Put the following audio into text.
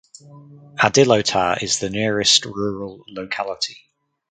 Adilotar is the nearest rural locality.